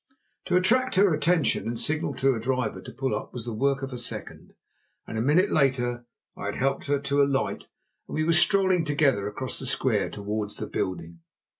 To attract her attention and signal to the driver to pull up was the work of a second, and a minute later I had helped her to alight, and we were strolling together across the square towards the building.